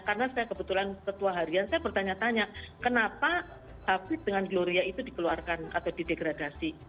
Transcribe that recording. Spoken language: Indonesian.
karena saya kebetulan setua harian saya bertanya tanya kenapa hafid dengan gloria itu dikeluarkan atau didegradasi